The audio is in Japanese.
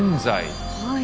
はい。